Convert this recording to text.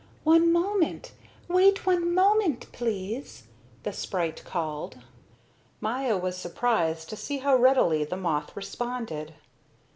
"One moment, wait one moment, please," the sprite called. Maya was surprised to see how readily the moth responded.